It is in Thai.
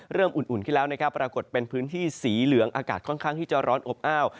อุ่นขึ้นแล้วนะครับปรากฏเป็นพื้นที่สีเหลืองอากาศค่อนข้างที่จะร้อนอบอ้าว